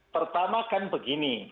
pertama kan begini